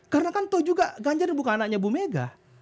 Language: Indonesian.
karena kan tau juga ganjar bukan anaknya bu mega